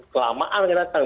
selama an mereka datang